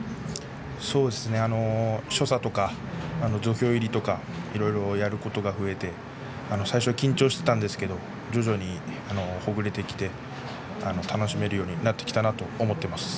そうですね、所作とか土俵入りとかやることが増えて最初は緊張していたんですけれど徐々にほぐれてきて楽しめるようになってきたなと思っています。